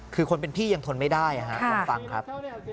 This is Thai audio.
คือคนเป็นพี่ยังทนไม่ได้ลองฟังครับ